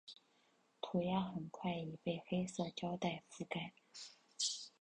涂鸦很快已被黑色胶袋遮盖。